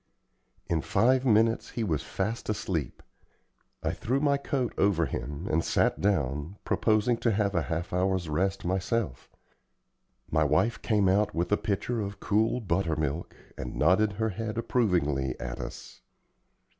In five minutes he was fast asleep. I threw my coat over him, and sat down, proposing to have a half hour's rest myself. My wife came out with a pitcher of cool butter milk and nodded her head approvingly at us.